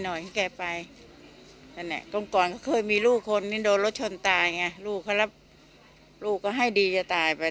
หน่อยให้แกไปตอนก่อนเคยมีลูกคนโดนรถชนตายลูกเค้ารับลูกก็ให้ดีจะตายไป